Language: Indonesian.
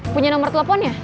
punya nomer teleponnya